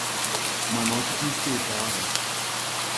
ma n'ọchịchị steeti ahụ